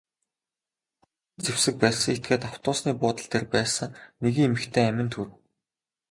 Хүйтэн зэвсэг барьсан этгээд автобусны буудал дээр байсан нэгэн эмэгтэйн аминд хүрэв.